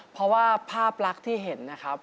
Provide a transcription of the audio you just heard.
เพราะว่าภาพลักษณ์ที่เห็นนะครับ